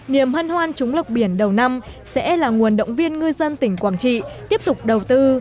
niềm hân hoan chống lục biển đầu năm sẽ là nguồn động viên ngư dân tỉnh quảng trị tiếp tục đầu tư